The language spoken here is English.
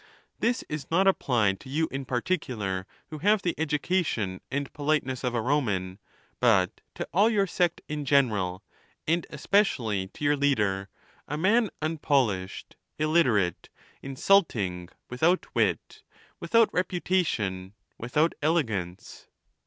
This is not applied to you in particular who have the education and politeness of a Roman, but to all your sect in general, and especially to your leader' — a man unpolished, illiterate, insulting, with out wit, without reputation, without elegance.